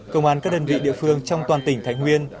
công an các đơn vị địa phương trong toàn tỉnh thái nguyên